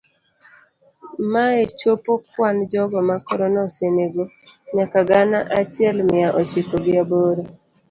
Mae chopo kwan jogo ma corona osenego nyaka gana achiel mia ochiko gi aboro.